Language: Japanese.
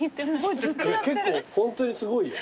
結構ホントにすごいよ。